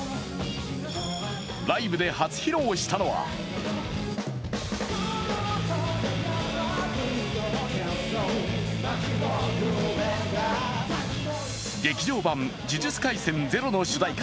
ライブで初披露したのは劇場版「呪術廻戦０」の主題歌